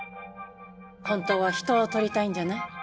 本当は人を撮りたいんじゃない？